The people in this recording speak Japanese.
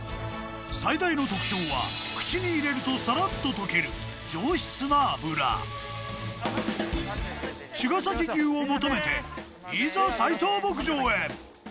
最大の特徴は口に入れるとさらっと溶ける上質な脂ちがさき牛を求めていざ斉藤牧場へ！